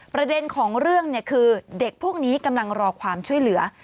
ประเด็นของเรื่องคือเด็กพวกนี้กำลังรอความช่วยเหลือ